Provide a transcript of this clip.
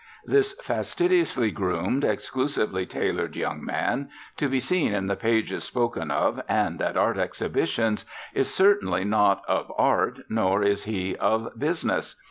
This fastidiously groomed, exclusively tailored young man, to be seen in the pages spoken of and at art exhibitions, is certainly not of Art, nor is he of business.